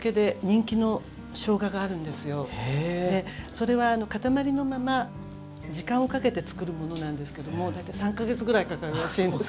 それは塊のまま時間をかけて作るものなんですけども大体３か月ぐらいかかるらしいんです。